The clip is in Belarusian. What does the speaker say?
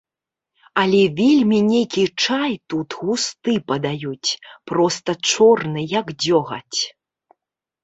Але вельмі нейкі чай тут густы падаюць, проста чорны, як дзёгаць.